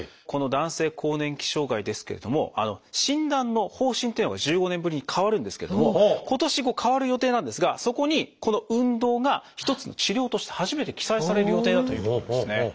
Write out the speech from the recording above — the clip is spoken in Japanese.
この男性更年期障害ですけれども診断の方針っていうのが１５年ぶりに変わるんですけれども今年変わる予定なんですがそこにこの「運動」が一つの治療として初めて記載される予定だということですね。